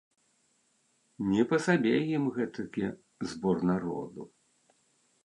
Ні па сабе ім гэтакі збор народу.